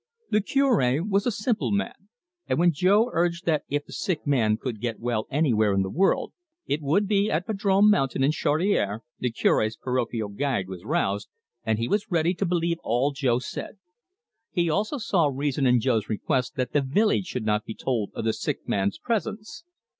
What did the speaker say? The Cure was a simple man, and when Jo urged that if the sick man could get well anywhere in the world it would be at Vadrome Mountain in Chaudiere, the Cure's parochial pride was roused, and he was ready to believe all Jo said. He also saw reason in Jo's request that the village should not be told of the sick man's presence.